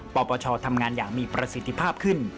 ปปชทำงานอย่างมีประสิทธิภาพขึ้น